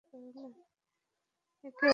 একে অপরের মাঝে বন্দি হয়ে যায়।